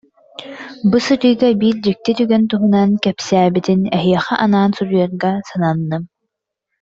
Бу сырыыга биир дьикти түгэн туһунан кэпсээбитин эһиэхэ анаан суруйарга сананным